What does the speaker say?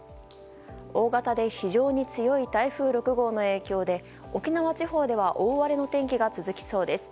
大型で非常に強い台風６号の影響で沖縄地方では大荒れの天気が続きそうです。